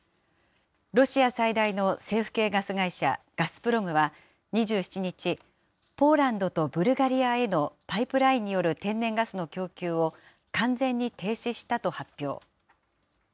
ロシア最大の政府系ガス会社、ガスプロムは２７日、ポーランドとブルガリアへのパイプラインによる天然ガスの供給を完全に停止したと発表。